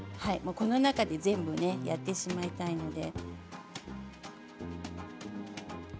この中で全部やってしまいたいので。